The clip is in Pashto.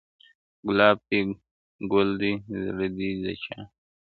گلاب دی، گل دی، زړه دی د چا؟